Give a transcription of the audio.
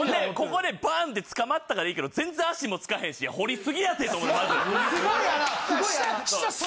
ここでバン！って掴まったからいいけど全然足も付かへんし掘り過ぎやって！と思いましたよ。